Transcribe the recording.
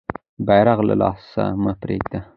بیرغ له لاسه مه پرېږده.